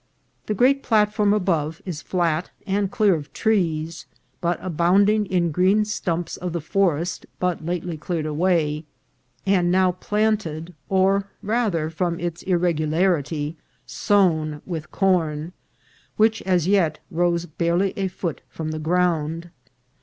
The great plat form above is flat and clear of trees, but abounding in green stumps of the forest but lately cleared away, and now planted, or, rather, from its irregularity, sown with corn, which as yet rose barely a foot from the ground.